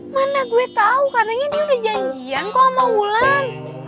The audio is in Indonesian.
mana gue tau katanya dia udah janjian kok mau pulang